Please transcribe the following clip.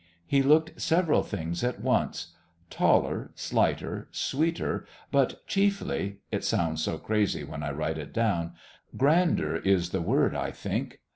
He looked several things at once taller, slighter, sweeter, but chiefly it sounds so crazy when I write it down grander is the word, I think.